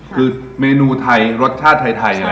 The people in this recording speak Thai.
คือเมนูไทยรสชาติไทย